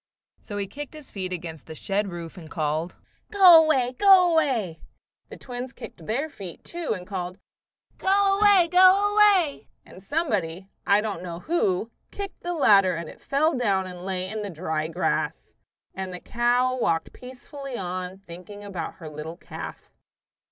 So he kicked his feet against the shed roof and called, "Go away! go away!" The twins kicked their feet, too, and called, "Go away! go away!" and somebody, I don't know who, kicked the ladder and it fell down and lay in the dry grass. And the cow walked peacefully on, thinking about her little calf.